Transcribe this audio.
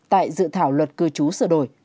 tại dự thảo luật cư chú sửa đổi